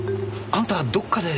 あんたどっかで。